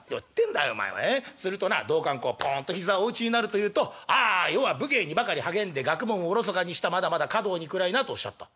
するとな道灌公ポンと膝をお打ちになるというと『ああ余は武芸にばかり励んで学問をおろそかにしたまだまだ歌道に暗いな』とおっしゃった」。